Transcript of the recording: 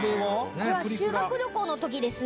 これは修学旅行のときですね。